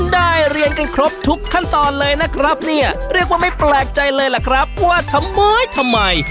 ได้เรียนกันครบทุกขั้นตอนเลยนะครับเนี่ยเรียกว่าไม่แปลกใจเลยล่ะครับว่าทำไมทำไม